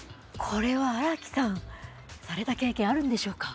これは荒木さんされた経験あるんでしょうか。